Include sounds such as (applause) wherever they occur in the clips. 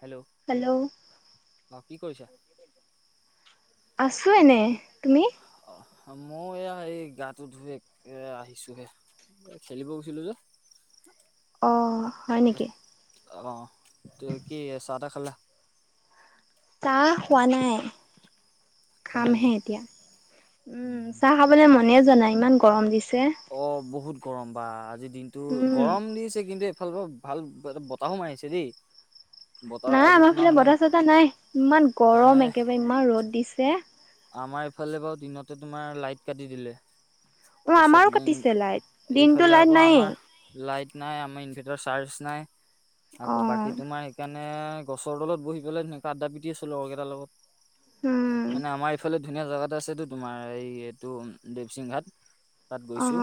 Hello hello অ' কি কৰিছা? আছো এনেই। তুমি? অ' মই এয়া এই গাটো ধুই আহিছো হে। খেলিব গৈছিলো যে। অ হয় নেকি অ তে কি চাহ (unintelligible) খা খালা? কাহ হোৱা নাই। খোৱা নাই নেকি খামহে এতিয়া উম চাহ খাবলে মনেই যোৱা ইমান গৰম দিছে। অ' বহুত গৰম বা আজি দিনতটো উম গৰম দিছে কিন্তু ভাল ভাল বতাহো মাৰিছে দেই। বতাহ নাই আজি আমাৰ তোমাৰ ফালে মানে বতাহ চতাহ নাই ইমান হে গৰম একেবাৰে ইমান ৰ'দ দিছে। আমাৰ ইফালে বাৰু দিনতে তোমাৰ লাইট কাটি দিলে। অ তাৰপিছত আমাৰো কাটিছে লাইট দিনতটো এইফালে আকৌ লাইট নাইয়েই আমাৰ লাইট নাই আমাৰ ইনভেটাৰ চাৰ্জ নাই অ আকৌ বাকী তোমাৰ সেই মানে গছৰ তলত বহি পেলাই ধুনীয়াকে আদ্ডা পিতি আছিলো অৰু লগৰ কেইটাৰ লগত উম মানে আমাৰ এই ফালে ধুনীয়া জোগা আছেতো তোমাৰ এই এইটো দেৱসিং ঘাট। তাত অ গৈছো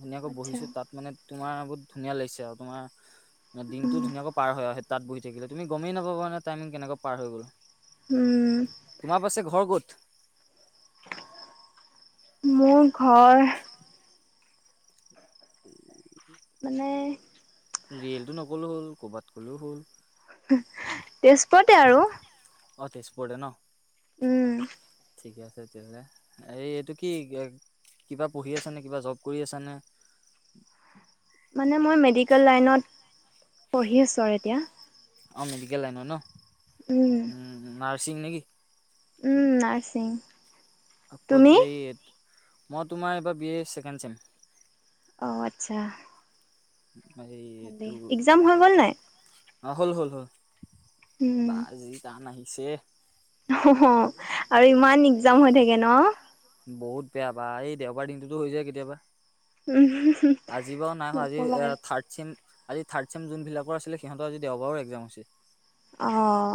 ধুনীয়াকৈ আচ্ছা বহিছো তাত মানে তোমাৰ বহুত ধুনীয়া লাগিছে আৰু তোমাৰ দিনটো উম ধুনীয়াকৈ পাৰ হৈ আহে তাত বহি থাকিলে তুমি গমেই নাপাবাানে টাইমিং কেকৈ পাৰ হৈ গ'ল। উম তোমাৰ পাছে ঘৰ ক'ত? মোৰ ঘৰ মানে? ৰিয়েলটো নকলেও হ'ল কৰ'ৰবাত কলেও হ'ল। তেজপুৰতে আৰু। অঁ তেজপুৰতে আৰু ন। উম। ঠিকে আছে তেতিয়াহ'লে এই এইটো কি? কিবা পঢ়ি আছানে কিবা জব কৰি আছানে? মানে মই মেডিকেল লাইনত পঢ়ি আছোঁ আৰু এতিয়া। অঁ মেডিকেল লাইনত ন উম নাৰ্ছিং নেকি? উম নাৰছিং। আ ক'ত যে মই তোমাৰ এইবাৰ বি ছেকেণ্ড চেম। অঁ আচ্ছা। এই এইটো ভালেই এক্জাম হৈ গ'ল নাই। অ হল হল হল উম, বা যি টান আহিছে। অ আৰু ইমান একগ্জাম হৈ থাকে ন। বহুত বেয়া বা এই দেওবাৰ দিনটোতো হৈ যায় কেতিয়াবা। উম। আজি বাৰু নাই হ আজি থাৰ্ড চেম- আজি থাৰ্ড ছেম যোনবিলাকৰ আছিলে সিহঁতৰ আজি দেওবাৰো এক্জাম হৈছে। আহ।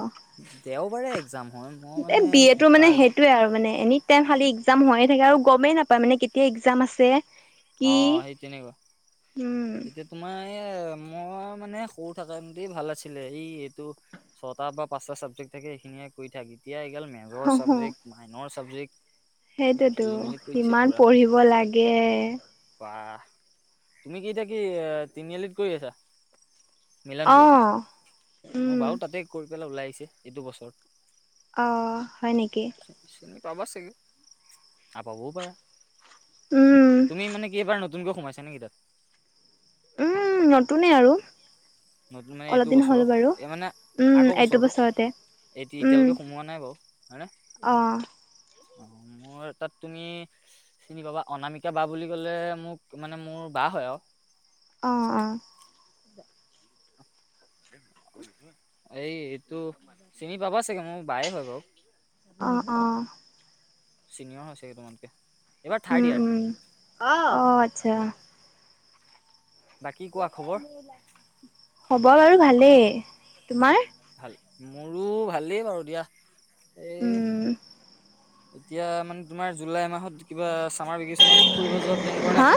দেওবাৰে এক্জাম হয় মই মানে বি এ তো কিবা মানে সেইটোয়ে আৰু মানে এনি টাইম খালি এক্সাম হয়ে থাকে আৰু গমেই নাপায় মানে কেতিয়া এক্জাম আছে। কি অ সেই তেনেুৱা উম, এতিয়া তোমাৰ এ মই মানে সৰু থাকতে ভাল আছিলে এই এইটো ছটা বা পাঁচটা চাবজেক্ট থাকে এইখিনিয়ে কৰি থাক এতিয়া এগাল মেজৰ চাবজেক্ট মাইনৰ চাবজেক্ট। এই সেইটোতো খেলি মেলি কৰি ইমান পঢ়িব লাগে। বাহ তুমি কি এতিয়া কি তিনিআলিত ঘুই আছা। মিলনপুৰ আহ উম। প ওলাই আহিছে এইটো বছৰ। অ হয় নেকি। চিনি পাবা চাগে আৰু পাবও পাৰা উম, তুমি মানে কি এবাৰ নতুন নতুনকৈ সোমাইছে নেকি তাত। উম নতুনে আৰু। নতুন মানে অলপ এইটো দিন হ'ল বছৰৰ বাৰু। এই মানে উম, আগৰ এইটো বছৰতে বছৰটোত। এ উম, এতিয়ালৈকে সোমোৱা নাই বাৰু অ', হয়নে অ মোৰ তাত তুমি চিনি পাবা অনামিকা বা বুলি ক'লে মোক মানে মোৰ বা হয় আৰু। অঁ অঁ। এই এইটো চিনি পাব চাগে মোৰ বায়ে হয় বাৰু। আহ আহ। চিনিয় হৈছে হি তোমাতকে এইবাৰ থাৰ্ড উম ইয়াৰ উম অ অ আচ্ছা বাকী কোৱা খবৰ মৰ বাৰু ভালেই তোমাৰ ভাল মোৰো ভালেই বাৰু দিয়া এই উম, এতিয়া মানে তোমাৰ জুলাই মাহত কিবা চামাৰ ভিকেচনত ফুৰিব যোৱা প্লেন কৰা নাই হা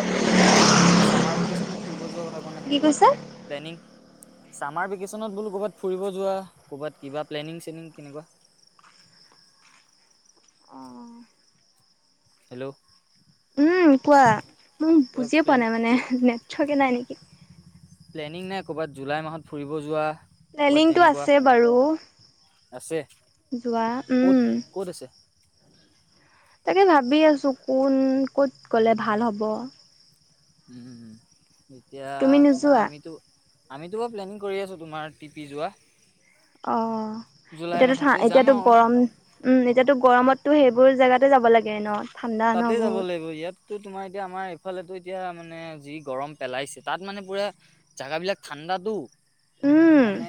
চামাৰ ভিকচনত ফুৰিব যোৱাৰ কথা কোৱা নাই কি কৈছা? ক'ৰবাত প্লেনিং ছামাৰ ভিকেচনত বোলো ক'ৰবাত ফুৰিব যোৱা ক'ৰবাত কিবা প্লেনিং চেনিং কেনেকুৱা (unintelligible) অঁ হেল্ল' উম কোৱা মোক বুজিয়ে পোৱা প্লেন নাই মানে নেটৱৰ্কে নাই নিকি প্লেনিং নাই ক'ৰবাত জুলাই মাহত ফুৰিব যোৱা ক'ৰবাত প্লেলিংতটো তেনেকুৱা আছে বাৰু আছে যোৱা ক'ত উম ক'ত আছে তাকে ভাবি আছো কোন কত গলে ভাল হব উম এতিয়া তুমি তোমাৰ নোযোৱা? আমিতো আমিতো বাৰু প্লেনিং কৰি আছো তোমাৰ টিপি যোৱা অ জুলাই এতিয়াতো থা মাহতে যাম এতিয়াতো আৰু গৰম উম এতিয়াতো গৰমত তো সেইবোৰ জেগাতে যাব লাগে ন ঠাণ্ডা ন তাতে যাব বহুত লাগিব ইয়াততো তোমাৰ এতিয়া আমাৰ ইফালেতো এতিয়া মানে যি গৰম পেলাইছে তাত মানে পুৰা জাগা বিলাক ঠাণ্ডাতো উম মানে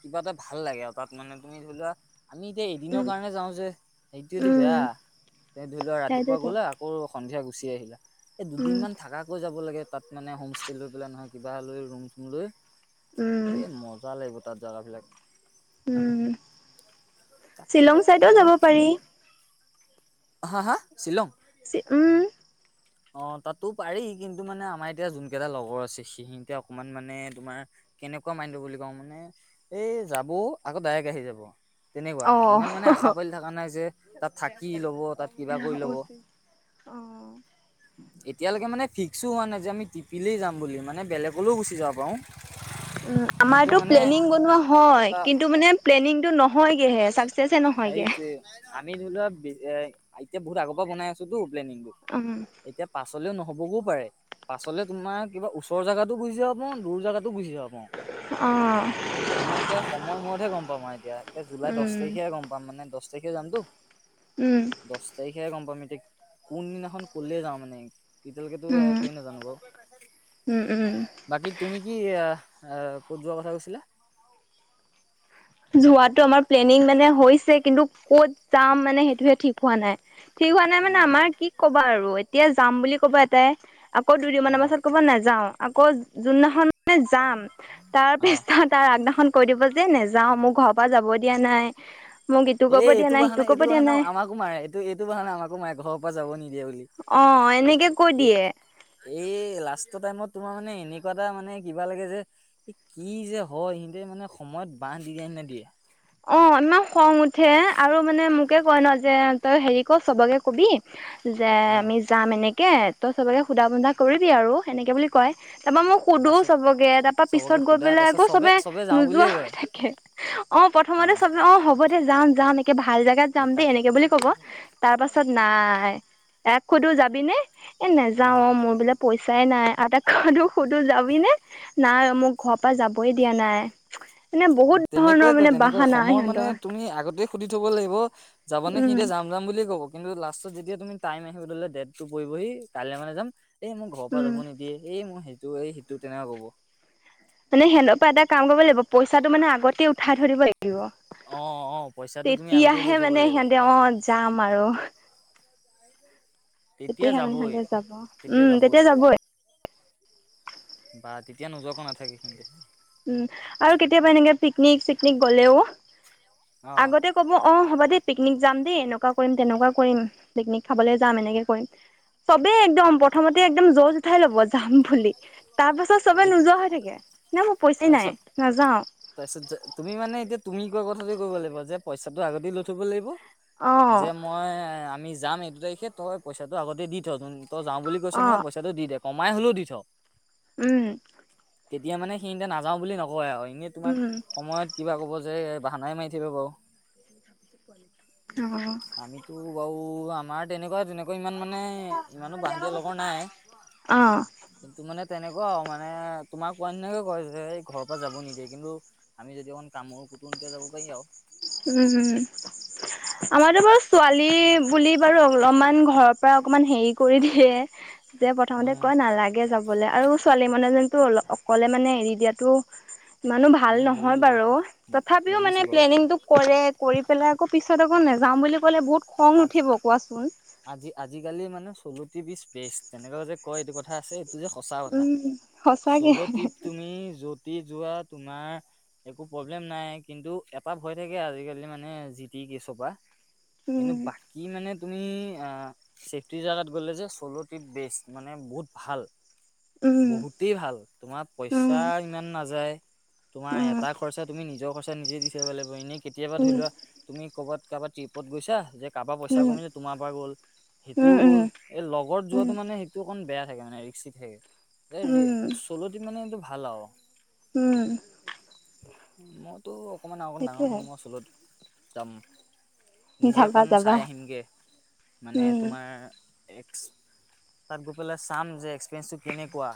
কিবা এটা ভাল লাগে আৰু তাত মানে তুমি ধৰি লোৱা আমি এতিয়া এদিনৰ উম কাৰণে যাও যে হেইটোৱেটো উম বেয়া ধৰি লোৱা ৰাতিপুৱা সেইটোৱেতো গলা আকৌ সন্ধিয়া গুচি আহিলা এই উম দুদিন মান থাকাকৈ যাব লাগে তাত মানে হোম ষ্টে লৈ পেলাই নহয় কিবা লৈ ৰুম চুম লৈ উম এই মজা লাগিব তাত জাগাবিলাক উম তাকে শ্বিলং চাইডেও যাব প্লেনিং পাৰি হা হা শ্বিলং চি উম অ তাতো পাৰি কিন্তু মানে আমাৰ এতিয়া যোন কেইটা লগৰ আছে সিহিতে অকমান মানে তোমাৰ কেনেকুৱা মাইন্ডৰ বুলি কওঁ মানে এই যাবও আকৌ ডাইৰেক্ট আহি যাব তেনেকুৱা অঁ ইমান মানে আশা পালি থকা নাই যে তাত থাকি ল'ব তাত কিবা কৰি ল'ব অঁ এতিয়ালৈকে মানে ফিক্সো হোৱা নাই যে আমি টিপিলেই যাম বুলি মানে বেলেগলৈও গুচি যাব পাৰো উম কিন্তু আমাৰতো মানে প্লেনিং বনোৱা হয় কিন্তু মানে প্লেনিংটো নহ হেইত যে আমি ধৰি লোৱা এ এতিয়া বহুত আগৰ পৰা বনাই আছোতো প্লেনিংটো উম এতিয়া পাচ পাচলৌ নহবগৌও পাৰে পাছলে তোমাৰ কিবা ওচৰ জাগাতো গুজি যাব পাও দূৰ জাগাত গুচি যাব পাওঁ অঁ মানে এয়া সময় মূৰতহে গম পাম মই এতিয়া তে জুলাই দছ উম তাৰিখে গম পাম মানে দছ তাৰিখে যামতো উম দছ তাৰিখে গম পাম মিতিক কোনদিনাখন কলে যাওঁ মানে এতিয়ালকেটো উম একোৱে নাজানো বাৰু উম উম বাকী তুমি কি এ এ ক'ত যোৱা কথা কৈছিলা যোৱাতটো আমাৰ প্লেনিং মানে হৈছে কিন্তু ক'ত যাম মানে সেইটোহে ঠিক হোৱা নাই ঠিক হোৱা নাই মানে উম, আমাৰ কি কবা আৰু এতিয়া যাম বুলি ক'বা এটাই আকৌ দুই দু অ মমানৰ পাছত ক'ব নাযাও আকৌ যোনদিনাখন মানে যাম তাৰ অ পিছত তাৰ আগদিনাখন কৈ দিব যে নেযা মোৰ ঘৰৰ পৰা যাব দিয়া নাই মোক ইটো কৰিব এই দিয়া এইটো নাই সিটো বাহানা কৰিব এইটো দিয়া বাহানা নাই আমাকো মাৰে এইটো এইটো বাহানা আমাকো মাৰে ঘৰৰ পৰা যাব নিদিয়ে বুলি অ এনেকে এইটো কৈ এই দিয়ে। এই লাষ্ট টাইমত তোমাৰ মানে এনেকুৱা এটা মানে কিবা লাগে যে কি যে হয় সিহতে মানে সময়ত। ক ডিজাইন ন দিয়ে। অ ইমান খং উঠে আৰু মানে মোকে কয় ন যে। তই হেৰি কৰ চবকে কবি যে অ আমি যাম এনেকে তাকে তই সবকে সোধা বোধা কৰি দিয় আৰু এনেকে বুলি কয়। তাৰপা মোক সোধো লাষ্টত চবকে তাৰপা পিছত চবকে গৈ সোধা পেলাই তাৰপিছত আকৌ চবে যাওঁ নোযোৱা বুলিয়ে হৈ কয় থাকে অ প্ৰথমতে চব অ হ'ব দে যাম যাম একে ভাল জোগাত যাম বৰ্তা দেই এনেকে বুলি ক'ব তাৰ পাছত না ন এক সুধো যাবি নে এ নাযাও অ মোৰ বোলে পইচাই নাই এটাক সুধো যাবি নে নাই মোক ঘৰৰ পৰা যাবই দিয়া নাই মানে বহুত ধৰণৰ মানে তেনেকৈ বাহানা সময় মানে সিহঁতৰ তুমি আগতেই সুধি থব লাগিব যাব নে উম সিহতে যাম যাম বুলিয়ে ক'ব কিন্তু লাষ্টত যেতিয়া তুমি টাইম আহিবলে ডেটটো পৰিহি কাইলৈ মানে যাম এই মোক ঘৰৰ পৰা উম যাব নিদিয়ে এই মোৰ সেইটো এই সেইটো তেনেকুৱা কব। মানে সেনহ পৰা এটা কাম কৰিব লাগিব পইচাটো মানে আগতেই উঠাই থৈ অ', অ', পইচাটো তুমি আগতে লৈ তেতিয়াহে থ'ব মানে লাগিব সিহঁতে অ যাম আৰু। তেতিয়া তেতিয়াহে মানে যাবই। সহতে যাব উম তেতিয়া যাবই বা তেতিয়া নোযোৱাকে নাথাকে সে উম আৰু কেতিয়াবা এনেকে পিকনিক চিকনিক গ'লেও অ', আগতে কব অ হ'ব দে পিকনিক যাম দেই এনেকুৱা কৰিম তেনেকুৱা কৰিম পিকনিক খাবলৈ যাম এনেকে কৰিম চবেই একদম প্ৰথমতে একদম জজ উঠাই লব যাম বুলি তাৰ পাছত চবে এই নোযোৱা হৈ থাকে না মোৰ পইচা নাই তাৰপিছত নাযাও। নে এতিয়া তুমি কোৱা কথাতে কব লাগিব যে পইচাটো আগতে লৈ থ'ব লাগিব। অ যে মই আমি যাম এইটো তাৰিখে তই পইচাটো আগতে দি থত তই যাও বুলি কৈছ অ নহয় পইচাটো দি দে কমাই হলেও দি থ। উম তেতিয়া মানে সেইতে নাযাও বুলি নকয় আৰু এনেই তোমাক উম সময়ত কিবা ক'ব যে বাহানাই মাৰি থাকিব বাৰু। অ', (unintelligible) আমাৰ তেনেকুৱাই -তেনেক আকৌ ইমান মানে ইমানো বাহ দিয়া লগৰ নাই অ', কিন্তু মানে তেনেকুৱাও মানে তোমাক কোৱা নিনাকে কয় যে এই ঘৰৰ পৰা যাব নিদিয়ে কিন্তু আমি যদি অকন কামুৰ পুতুংকে যাব পাৰি আৰু। উম, হম। আমাৰতো বাৰু ছোৱালী বুলি বাৰু অলপমান ঘৰৰ পৰা অকমান হেৰি কৰি দিয়ে যে প্ৰথমতে উম। কয় নালাগে যাবলে আৰু ছোৱালী মানুহএজন টো অল অকলে মানে এৰি দিয়াটো ইমানু ভাল উম নহয় বুজিছো বাৰু বুজি তথাপিও মানে বুজিছো বাৰু প্লেনিং টো কৰে কৰি পেলাই আকৌ পিছত আকৌ নেযাওঁ বুলি ক'লে বহুত খং আজি নুঠিব কোৱাচোন? Solo trip is best তেনেকুৱাও যে কয় এইটো কথা আছে। এইটো যে সঁচা কথা উম, সঁচাকে চ'লো ট্ৰিপ তুমি যতি যোৱা তোমাৰ একো প্ৰব্লেম নাই কিন্তু এটা ভয় থাকে আজিকালি মানে জি টি কেচপৰা কিন্তু উম, বাকী মানে তুমি অ, চেফটিৰ জাগাত গ'লে যে চ'লো ট্ৰিপ বেষ্ট মানে বহুত ভাল। উম, বহুতেই ভাল তোমাৰ পইচা উম, ইমান নাযায়। তোমাৰ উম। এটা খৰচা তুমি নিজৰ খৰচা নিজে দি থাকিব লাগিব এনেই কেতিয়াবা ধৰি উম, লোৱা তুমি ক'বাত কাৰবা ট্ৰিপত গৈছা যে কাৰপা পইচা উম, কমিলে তোমাৰ পৰা গ'ল উম, উম, সেইটোও গ'ল এই লগত উম, যোৱাটো মানে সেইটো অকণ বেয়া থাকে মানে ৰিক্সি থাকে উম, চলট মানে এইটো ভাল আৰু, উম মইতো অকণমান অকণ ডাঙৰ সেইটোৱে। হ'লো মই ওচৰত যাম। নিজে যাবা অকণ যাবা চাই আহিমগৈ মানে উম তোমাৰ এক্স তাত গৈ পেলাই চাম যে এক্সপিৰিয়েঞ্চটো কেনেকুৱা।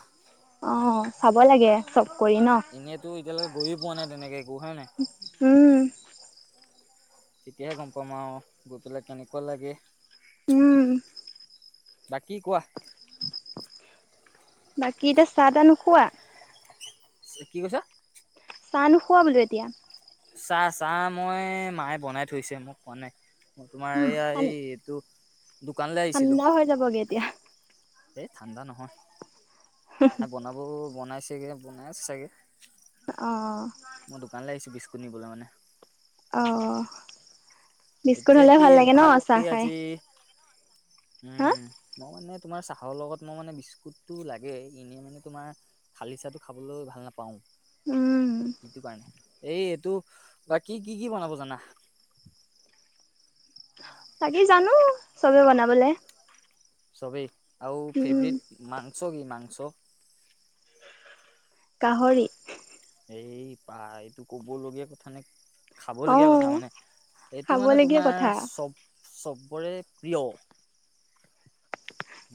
অ চাব লাগে চব কৰি ন? এনেইতো এতিয়ালৈকে গৈয়ে পোৱা নাই তেনেকে একো হয় নাই। উম তেতিয়াহে গম পামা আৰু গৈ পেলাই কেনেকুৱা লাগে। উম বাকী কোৱা? বাকী এতিয়া চাহ তাহ নোখোৱা? কি কৈছা? চাহ নোখোৱা বোলো এতিয়া? চাহ চাহ মই মায়ে বনাই থৈছে মোক পোৱা নাই। তোমাৰ এইয়া ঠান এই এইটো দোকানলৈ আহিছিলো ঠাণ্ডা হৈ যাবগে এতিয়া। এই ঠাণ্ডা নহয় আ বনাব বনাইছেগে বনাই আছে চাগে, অঁ মই দোকানলৈ আহিছো বিস্কুট নিবলৈ মানে অঁ এতিয়া কি ভাত কি আজি হা উম ম মানে- তোমাৰ চাহৰ লগত মই মানে বিস্কুটটো লাগে এনেই মানে তোমাৰ শালি চাহটো খাবলৈ ভাল নাপাওঁ, উম ইটো কাৰণে। এই এইটো বা কি কি কি বনাব জানা? তাকি জানো চবে বনাবলে। চবেই আৰু উম ফেভৰেট মংস কি মংস? গাহৰি। এই পা এইটো ক'বলগীয়া কথা নে অ খাবলগীয়া কথা মানে এইটো মানে খাবলগীয়া তোমাৰ কথা চব সববৰে প্ৰিয়।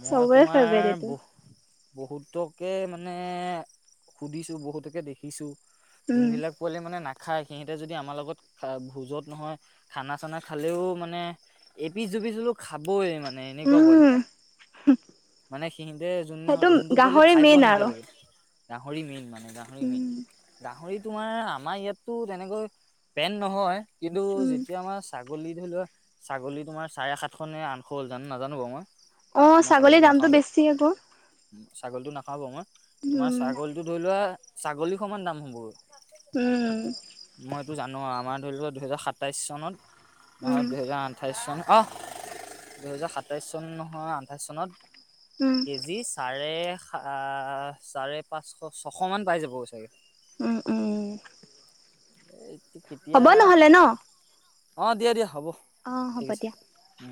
মই চবৰে ফেভৰেট তোমাৰ এইটো বহু বহুতকে মানে সুধিছো বহুতকে দেখিছো। উম যোনবিলাক পোৱালি মানে ন খাই সিহঁতে যদি আমাৰ লগত ভোজত নহয় খানা চানা খালেও মানে এপি পিছিলো খাবে মানে এনেকুৱা উম বলি। মানে সিহতে যোন ন সেইটো যোনটো পৰিলেে গাহৰি খাই পোৱা মেইন নাই আৰু এতিয়ালৈকে ডাহৰি মেইন মানে। গাহৰি উম মেইন গাহৰি তোমাৰ আমাৰ ইয়াততো তেনেকৈ পেন নহয়। কিন্তু উম যেতিয়া আমাৰ চ ছাগলী ধৰি লোৱা ছাগলী তোমাৰ চাৰে সাতশ নে আঠশ হ'ল জানো নাজানো বাৰু মই। অ মই ছাগলীৰ ছাগলীটো নাখাওঁ দামতটো যে বেছি আকৌ। ছাগলীটো নাখা ব মই তোমাৰ উম ছাগলীটো ধৰি লোৱা ছাগলী সমমান দাম হ'ব। উম মই এইটো জানো আৰু আমাৰ ধৰি লওোৱা দুহেজাৰ সাতাইশ চনত। উম নহয় দুহেজাৰ আঠাইছ চন অ দুহেজাৰ সাতাইছ চন নহয় আ। আঠাইছ চনত উম কেজি চাৰে আ চাৰে পাঁচশ ছশ মান পাই যাব চাগে। উম উম। এতিয়া হ'ব নহ'লে ন অ', দিয়া দিয়া হ'ব। অ', ঠিক হ'ব আছে দিয়া। উম।